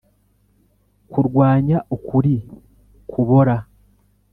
kurwanya ukuri kubora,